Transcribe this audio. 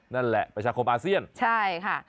นั่นแหละประชาคมอาเซียนใช่ค่ะ